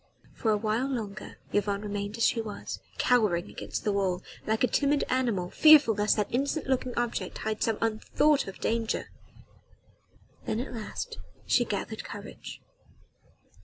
For awhile longer Yvonne remained as she was cowering against the wall like a timid little animal, fearful lest that innocent looking object hid some unthought of danger. Then at last she gathered courage.